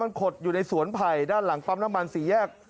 มันขดอยู่ในสวนไผ่ด้านหลังปั๊มน้ำมันสี่แยก